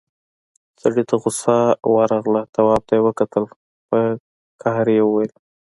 سړي ته غوسه ورغله، تواب ته يې وکتل، په کاوړ يې وويل: